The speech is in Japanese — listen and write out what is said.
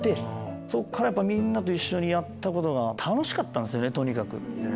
そっからみんなと一緒にやったことが楽しかったんすよねとにかく。